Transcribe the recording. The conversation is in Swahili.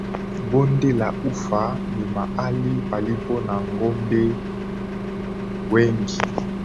Bonde la ufa ni mahali palipo na ng’ombe wengi.